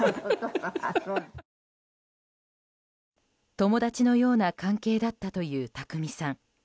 友達のような関係だったという匠さん。